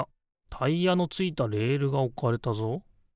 タイヤのついたレールがおかれたぞ。